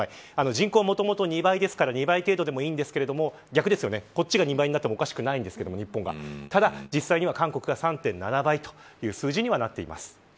人口はもともと２倍ですから２倍程度でもいいんですが日本が２倍になってもおかしくないんですがただ実際には韓国が３．７倍という数字になっています。